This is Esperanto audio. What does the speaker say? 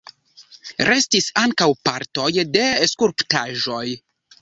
Restis ankaŭ partoj de skulptaĵoj.